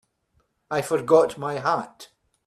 I forgot my hat.